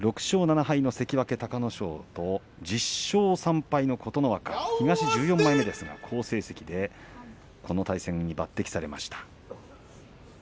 ６勝７敗の関脇隆の勝と１０勝３敗の琴ノ若東１４枚目ですから、好成績でこの対戦に抜てきされました。